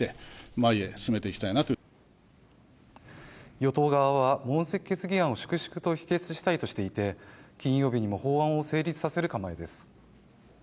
与党側は問責決議案を粛々と否決したいとしていて、金曜日にも法案を成立させる構えです。